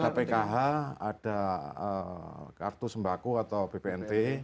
ada pkh ada kartu sembaku atau ppnt